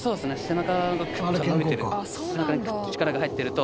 背中がクッと伸びてる背中にクッと力が入ってると。